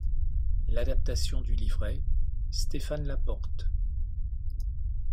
L'adaptation du livret, Stéphane Laporte.